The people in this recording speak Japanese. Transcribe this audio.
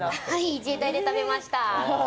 自衛隊で食べました。